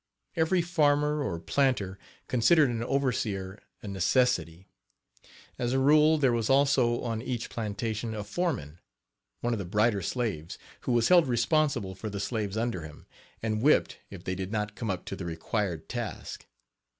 Every farmer or planter considered an overseer a necessity. As a rule, there was also on each plantation, a foreman one of the brighter slaves, who was held responsible for the slaves under him, and whipped if they did not come up to the required task.